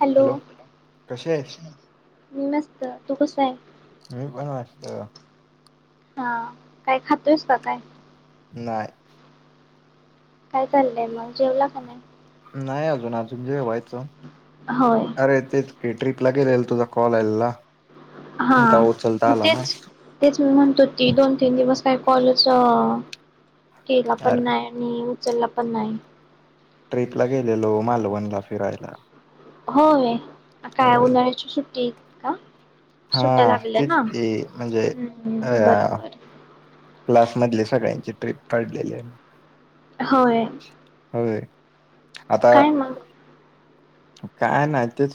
Hello कशी आहेस? मी मस्त. तू कसा आय? त हां, काय खातोयस का काय? नाय काय चाललंय मग? जेवला का नाय? नाही अजून, अजून जेवायचं. होय अरे तेच केटरीक लागे रहेल तुझा कॉल एल्ला. हां मग तेच, तेच मी म्हणतुती दोन तीन दिवस तायपाॅलोसा केला पण अरे नाय आणि चल्ला पण नाही. ट्रिपला गेलेलो मालवणला फिरायला. होय. काय होय. उन्हाळ्याची सुट केक का? हा सुट्ट्या लागल्या तेच ना की म्हणजे हम्म अया बरोबर क्लास मधले सगळ्यांची ट्रिप काढलेली आम्ही होय. आता काय मग काय नाय तेच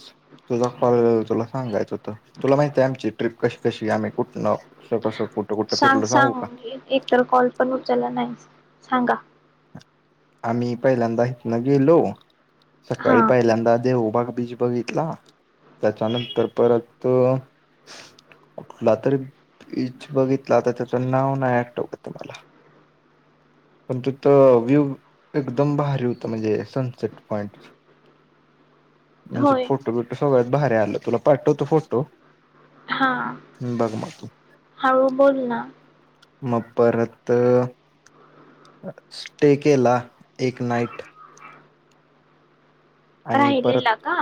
तुझा कॉल तुला सांगायचं होत तुला माहितीय आमची ट्रीप कशी तशी आम्ही कुठण [unintelligible] सांग सांग एक तर कॉल पण उचलला नाहीस सांगा आम्ही पहिल्यांदा हितनं गेलो हा सकाळी पाहिल्यांद्दा देव बाग बीच बघितला त्याच्यानंतर परत कुठला तरी बीच बघितला आता त्याच नाव नाही आठवत मला पण तिथ व्ह्यूव एकदम भारी होत म्हणजे सनसेट पॉइंट म्हणजे होय फोटो बिटो सगळ भारी आल तुला पाठवतो फोटो हा बघ मग तू हाळू बोल ना मग परत अ स्टे केला. एक नाईट राहिलेला का?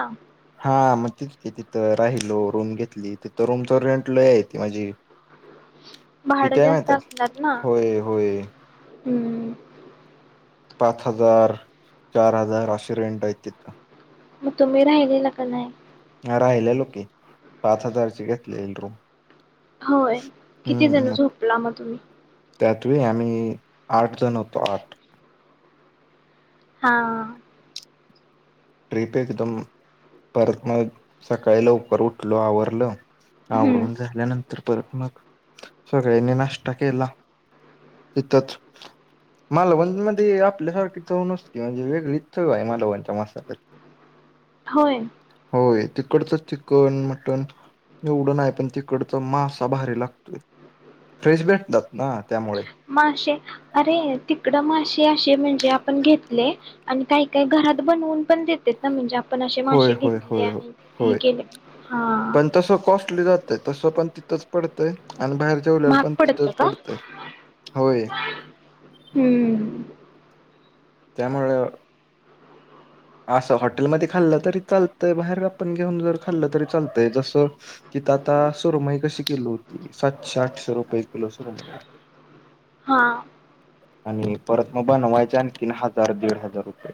तेच की तिथं राहिलो रूम घेतली तिथ रूमचा रेंट लय आहेत म्हणजे भाडं किती हाय जास्त माहितीया होय होय हूं पाच हजार चार हजार असे रेंट आहेत तिथं मग तुम्ही राहिलेला का नाय राहिल्यालो की पाच हजारची घेतलेली रूम होय किती जण झोपला मग तुम्ही त्यात व्हय आम्ही आठ जण होतो आठ हा ट्रिप एकदम परत ना सकाळी लवकर उठलो आवरलं हम्म. आवरून झाल्यानंत तर परत मग सगळ्यांनी नाश्ता केला तिथंच मालवणमध्ये आपल्यासारखी चव नसती म्हणजे वेगळीच चव आहे मालवणच्या मसाल्यात होय. होय तीत तिकडचं चिकन मटण एवढं नाही पण तिकडचा मासा भारी लागतोय फ्रेश भेटतात ना त्यामुळे मासे अरे तिकडं मासे असे म्हणजे आपण घेतले आणि काही काही घरात बनवून पण देतेत ना म्हणजे आप पण असे होय मासेे होय घेतले होय आणि होय हे केले हा ते तसं पण तिथंच पडतंय आणि बाहेर जेवल्यावर महाग पण पडतं तिथंच का? पडतंय होय हम्म. त्यामुळं असं हॉटेलमध्ये खाल्ल तरी चालतंय बाहेर आपण घेऊन जर खाल्ल तरी चालतंय जस तिथं आता सुरमई कशी किलो होती सातशे आठशे रुपये किलो सुरमई हा आणि परत म बनवायचे आणखीन हजार दीड हजार रुपये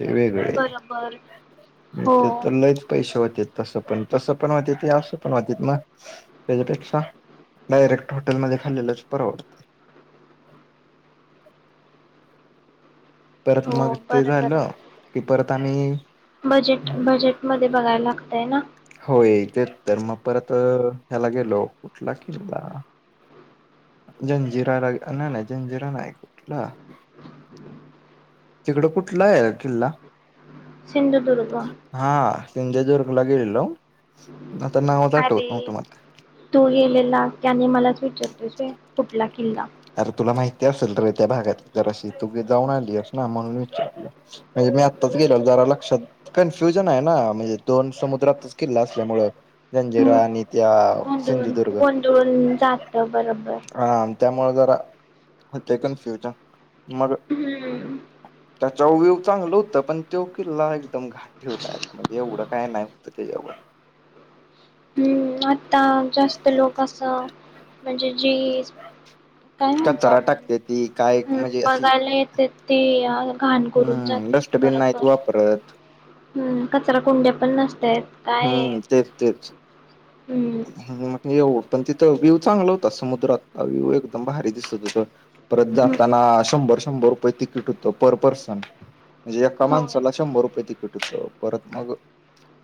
ते वेगळे बरोबर हो. ते तर लयच पैसे होत्यात तसं पण तसं पण होत्यात असं पण होत्यात ना त्याच्यापेक्षा डायरेक्ट हॉटेलमध्ये खाल्लेलंच परवडतय परत हो. मग ते बरोबर झालं आहे. की परत आम्ही बजेट बजेटम ते बघायला लागतय ना होय तेत तर मग परत ह्याला गेलो कुठला किल्ला जंजिराला नाही नाही जंजिरा नाही कुठला तिकडं कुठला आहे किल्ला सिंधुदुर्ग हा [unintelligible] दुर्ग ला गेलेलो. आता नावच आठवत अरे नव्हतं मला तू गेलेला त्याने मला विचारतोस होय कुठला किल्ला अरे तुला माहिती असेल रे त्या भागात जराशी तु जाऊन आलीयस ना म्हणून विचारलं म्हणजे मी आत्ताच गेल जरा लक्षात कन्फ्युजन आहे ना म्हणजे दोन समुद्रातच किल्ला असल्यामुळं हम्म जंजिरा आणि त्या गोंधळून सिंधुदुर्ग गोंधळून जात बरोबर म जरा होते कनफ्युजन मग हम्म त्याच्या व्यू चांगलं होतं पण तो किल्ला एकदम घाण ठेवला आता म्हणजे एवढं काय नाय होत त्याच्याव [inaudible] ता जास्त लोक असं म्हणजे जी काय म्हणतो कचरा आपण टाकते ती काय हूं म्हणजे अशी बघायला येत्यात ते या घाण करून हम्म जात्यात डस्टबिन नाहीत बरोबर वापरत हूं कचरा कुंड्या पण नस त्यात कायये हम्म म येव पण तिथं व्ह्यू चांगला होता समुद्रात व्ह्यू एकदम भारी दिसत होत. परत जाताना शंभर शंभर रुपये तिकीट होत पर पर्सन म्हणजे एका होय माणसाला शंभर रुपये तिकीट होत परत मग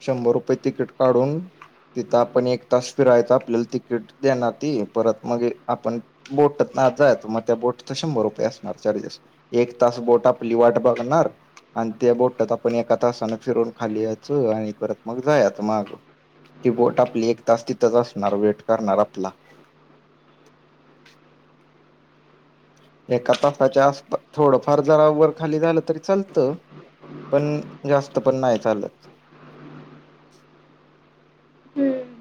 शंभर रुपये तिकीट काढून तिथं आपण एक तास फिरायचं आपल्याला तिकीट देणार ती परत मग आपण बोटतना आत जायच मग त्या बोटच शंभर रुपये असणार चार्जेस एक तास बोट आपली वाट बघणार आणि त्या बोटात आपण एका तासाने फिरून खाली याचं आणि परत मग जायाच माग ती बोट आपली एक तास तिथच असणार वेट करणार आपला एका तासाच्या आसप थोडंफार जरा वर खाली झालं तरी चालतं पण जास्त पण नाय चालत. हम्म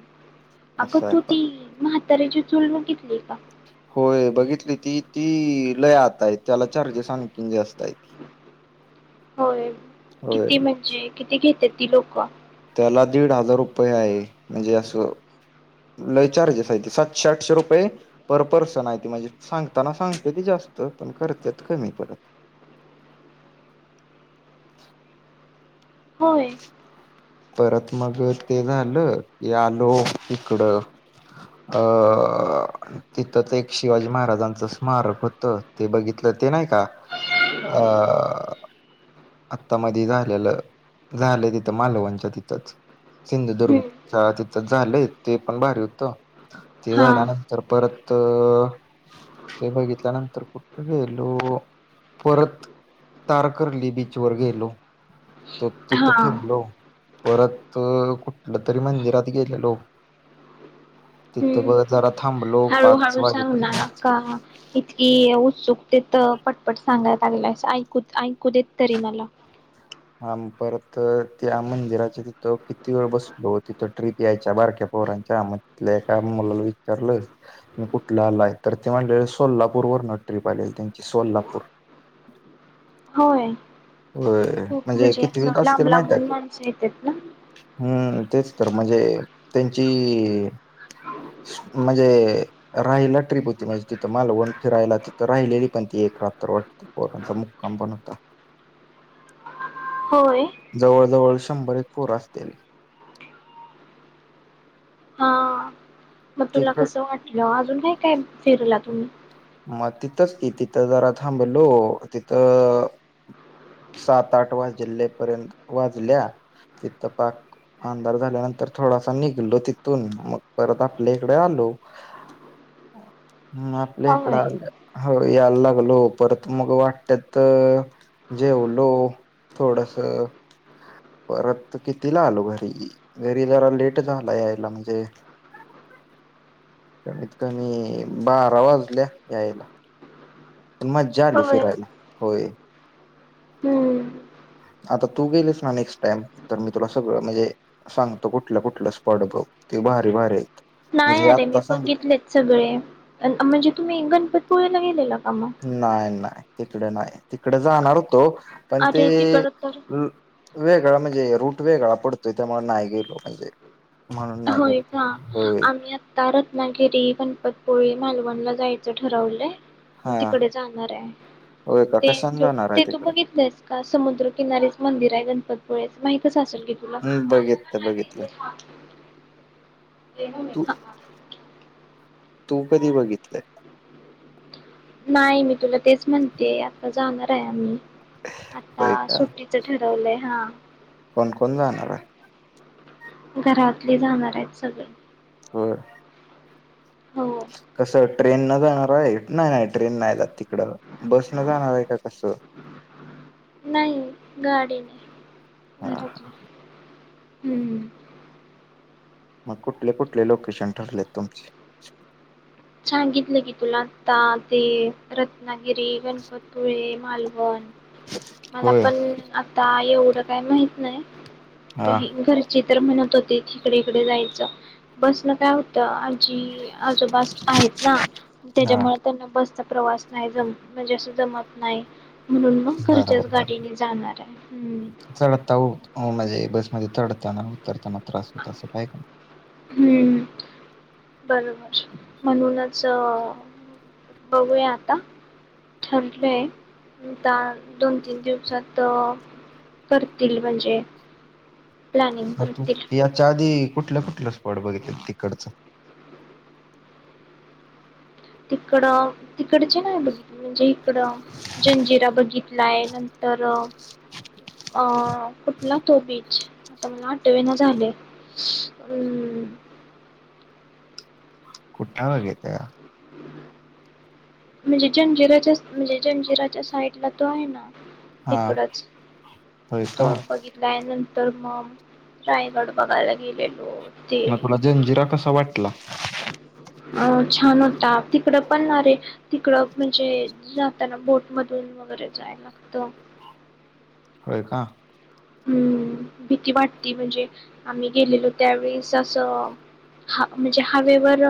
अगं असं आहे तू पण ती म्हातऱ्याची चूल बघितलीय का? होय बघितली ती ती लय आत हाय त्याला चार्जेस आणखीन जास्त हायती होय किती म्हणजे किती घेत्यात ती लोक त्याला दीड हजार रुपये आहे म्हणजे अस लई चार्जेस आहेती सातशे आठशे रुपये पर पर्सन आहे ते म्हणजे सांगताना सांगतेत जास्त पण करत्यात कमी परत होय. परत मग ते झालं की आलो इकडं अअअ तिथंच एक शिवाजी महाराजांच स्मारक होत. ते बघितलं ते नाही का अअ आत्ता मधी झालेलं झालंय तिथं मालवणच्या तिथंच हम्म सिंधुदुर्ग चा तिथ झालंय ते पण भारी होतं. ते हा झाला नंतर परत त हे बघितल्यानंतर कुठ गेलो. परत तारकर्ली बीचवर गेलो तो तित हा तर फिरलो. परत कुठल तरी मंदिरात गेलेलो तिथं ब जरा थांबलो हळू पाच हळू सांग वाजेपर्यंत ना का इतकी उत्सुक ते तर पटपट सांगाया लागलास ऐकू ऐकू देत तरी मला हा म परत त्या मंदिराच्या तिथं किती वेळ बसलो तिथं ट्रीप यायच्या बारक्या पोरांच्या म तिथल्या एका मुलाला विचारलं मी कुठला आलाय तर ते म्हटले सोलापूर वरन ट्रीप आलेली त्यांची सोलापूर होय. होय. खूप म्हणजे असं कितवीला लांब असतील माहित आहे लांबून माणसं येतात ना हम्म तेच तर म्हणजे त्यांची म्हणजे राहिला ट्रीप होती म्हणजे तिथं मालवण फिरायला तिथं राहिलेली पण ती एक रात्र वाटत पोरांचा मुक्काम पण होता. होय. जवळ जवळ शंभर एक पोर असतील. हा मग तुला तिकड कसं वाटलं अजून नाही काय फिरलात [inaudible] म तिथच कि तिथ जरा थांबलो तिथ सात आठ वाजले पर्यंत वाजल्या तिथ पाक अंधार झाल्यानंतर थोडासा निघलो तिथून मग परत आपल्या इकडे आलो. म आपल्याइकडं होय आल्या हो यायला लागलो परत मग वाटेत जेवलो थोडस परत कितीला आलो घरी घरी जरा लेट झाला यायला म्हणजे कमीत कमी बारा वाज ल्या यायला पण मजा आली होय फिरायला होय. हम्म आता तू गेलीस ना नेक्स्ट टाइम तर मी तुला सगळं म्हणजे सांगतो कुठल्या कुठलं स्पॉट बघ ते भारी भारी हाईत. नाही अरे मी बघितलेत सगळे अ म्हणजे तुम्ही गणपती पुळे ला गेलेला का मग नाय नाय तिकड नाय तिकडे जाणार होतो पण ते अरे तिकडं तर वे वेगळं म्हणजे अ रूट वेगळा पडतोय त्यामुळे नाही गेलो म्हणजे म्हणून नाही होय गेलो का होय आम्ही आता रत्नागिरी, गणपतपुळे, मालवणला जायचं ठरवलंय हा तिकडे जाणार आहे होय का ते कशाने तू जाणार आहे ते तू तिकड बघितलंयस का समुद्रकिनारीच मंदिर आहे गणपती पुळे माहीतच असल ते तुला हम् बघितलं बघितलं [inaudible] तू [inaudible] तू कधी बघितलंय? नाही मी तुला तेच म्हणते आता जाणार आहे आम्ही होय आता का सुट्टीच ठर ठेवलय हा कोण कोण जाणाराय घरातले जाणार आहेत सगळे होय हो कसं ट्रेन न जाणार आहे नाही नाही ट्रेन नाही जात तिकड बस न जाणार आहे का? कसं नाही गाडीने हा हा. घरातले [inaudible] हम्म मग कुठले कुठले लोकेशन ठरलेत तुमचे [inaudible] सांगितलं की तुला आता ते रत्ना गि्री गणपतळे मालवण मला होय पण आता आहे. काय माहित नाही हा ही घरची तर म्हणत होते इकड इकड जायचं बसण काय होतं जी आजूबाजू आहेत ना हा त्याच्यामुळे त्यांना बस चा प्रवास नाही जम म्हणजे असं जमत नाही म्हणून मग घरच्याच बरोबर गाडीन जाणार हाय. [unintelligible] म्हणजे चढताना, उतरताना. त्रास होत असेल आहे का नाही? हूं बरोबर. म्हणूनच अ बघूया आता ठरलय, आता दोन तीन दिवसात करतील म्हणजे. प्लॅनिंग मग तू करतील. याच्या आधी कुठल्या, कुठल्या स्पॉट बघितलं तिकडचं. तिकडं तिकडचे नाय बघितलं म्हणजे इकडं जंजिरा बघितलाय नंतर अ अ कुठला तो बीच, आता मला आठवेना झालं अम कुठ बगत्या? म्हणजे जंजिराच्या, म्हणजे जंजिराच्या साइड ला तो आहे ना. हा तिकडच होय तो का बघितला आहे न तर मग रायगड बघायला गेलेलो. म ते तुला जंजिरा कसा वाटला? अ छान होता तिकडं, पण आरे तिकडं, म्हणजे जाताना बोट मधून वगैरे जाय लागत. होय का! हम भीती वाटती म्हणजे आम्ही गेलेलो त्यावेेळेस असं हा म्हणजे हवेवर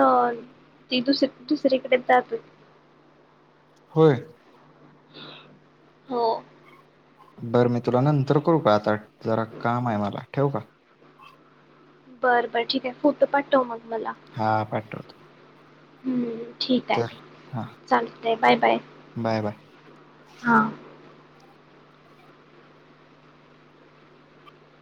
ती दुस दुसरीकडे जात. होय! हो! बरं मी तुला नंतर करू का आता. जरा काम आहे मला ठेवू का. बर बर ठीके आहे, फोटो पाठव मग. हा पाठवतो. हूं! ठीक आहे तर हा चालतय बाय, बाय बाय बाय हा.